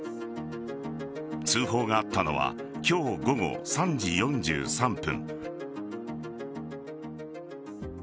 通報があったのは今日午後３時４３分。